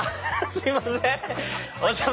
すいません。